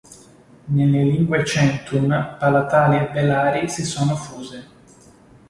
Nelle lingue "centum", palatali e velari si sono fuse.